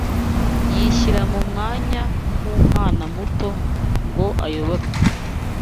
yishyira mu mwanya w’umwana muto ngo ayoborwe.